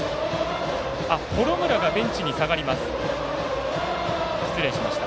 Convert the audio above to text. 幌村がベンチに下がります。